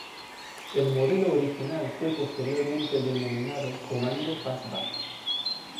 El modelo original fue posteriormente denominado Commando Fastback.